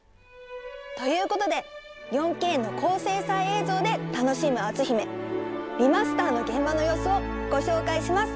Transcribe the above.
ということで４Ｋの高精細映像で楽しむ「篤姫」リマスターの現場の様子をご紹介します。